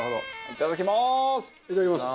いただきます。